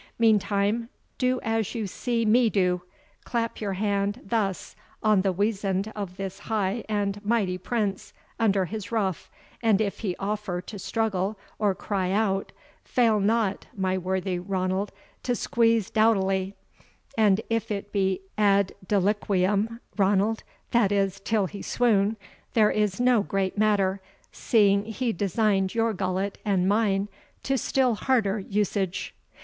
Meantime, do as you see me do; clap your hand thus on the weasand of this high and mighty prince, under his ruff, and if he offer to struggle or cry out, fail not, my worthy Ranald, to squeeze doughtily; and if it be AD DELIQUIUM, Ranald, that is, till he swoon, there is no great matter, seeing he designed your gullet and mine to still harder usage."